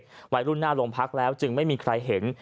วัยรุ่นหน้าโรงพักแล้วจึงไม่มีใครเห็น